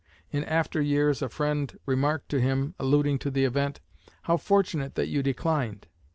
In after years a friend remarked to him, alluding to the event: "How fortunate that you declined!